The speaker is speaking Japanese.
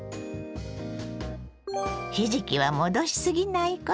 ひじきは戻しすぎないこと。